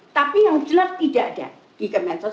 tapi yang jelas tidak ada di kemen sos